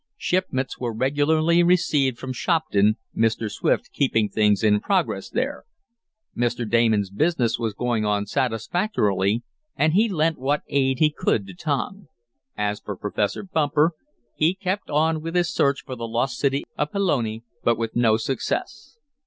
Shipments were regularly received from Shopton, Mr. Swift keeping things in progress there. Mr. Damon's business was going on satisfactorily, and he lent what aid he could to Tom. As for Professor Bumper he kept on with his search for the lost city of Pelone, but with no success.